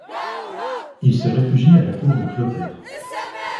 Il se réfugie à la cour de Clotaire.